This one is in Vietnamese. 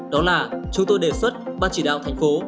đó là chúng tôi đề xuất ban chỉ đạo thành phố